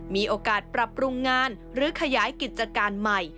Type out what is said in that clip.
มีโอกาสปรับปรุงงานหรือขยายกิจการใหม่